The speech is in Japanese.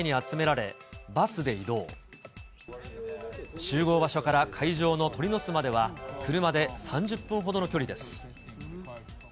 集合場所から会場の鳥の巣までは車で３０分ほどの距離です。